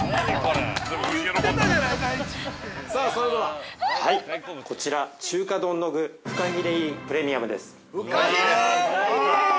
さあ、それでは◆こちら、中華丼の具フカヒレ入りプレミアムです。